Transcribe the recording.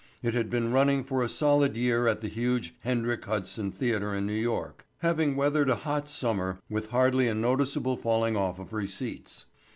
It had been running for a solid year at the huge Hendrik Hudson Theatre in New York, having weathered a hot summer with hardly a noticeable falling off of receipts.